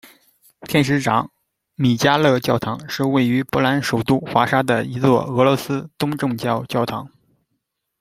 天使长米迦勒教堂是位于波兰首都华沙的一座俄罗斯东正教教堂。